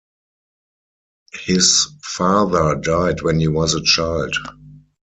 His father died when he was a child.